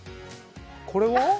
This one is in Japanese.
これは？